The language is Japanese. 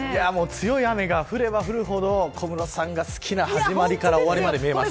強い雨が降れば降るほど小室さんが好きな始まりから終わりまで見えます。